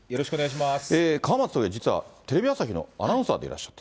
川松都議は実はテレビ朝日のアナウンサーでいらっしゃった。